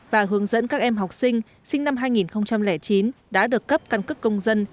và hướng dẫn các em học sinh sinh năm hai nghìn chín đã được cấp căn cước công dân